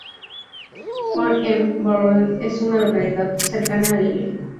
Marcq-en-Barœul es una localidad cercana a Lille, atravesada por un río canalizado, el Marque.